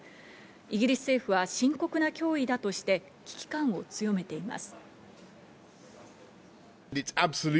イギリス政府は深刻な脅威だとして危機感を強めています。